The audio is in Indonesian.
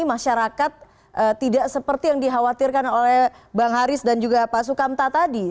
masyarakat tidak seperti yang dikhawatirkan oleh bang haris dan juga pak sukamta tadi